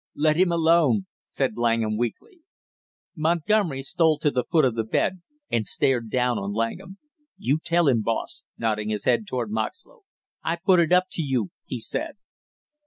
"Let him alone " said Langham weakly. Montgomery stole to the foot of the bed and stared down on Langham. "You tell him, boss," nodding his head toward Moxlow. "I put it up to you!" he said.